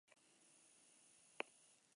Egun ere, baserri giroko leku askotan jartzen da.